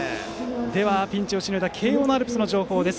ではピンチをしのいだ慶応のアルプスの情報です。